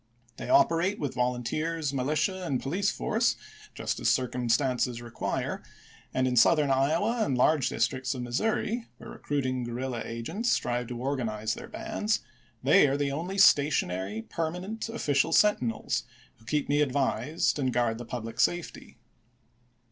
They operate with volunteers, militia, and police force, just as circumstances require, and in Southern Iowa and large districts of Missouri, where recruiting guerrilla agents strive to organize their bands, they are the only stationary, permanent official sentinels, who keep me ad vised and guard the public safety.